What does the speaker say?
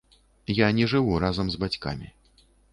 Я не жыву разам з бацькамі.